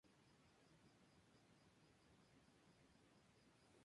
Alstom pidió una impugnación a dicha licitación por supuestos engaños.